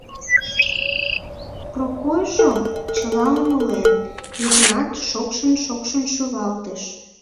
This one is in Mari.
— Прокойжо?.. — чыла умылен, Йыгнат шокшын-шокшын шӱлалтыш.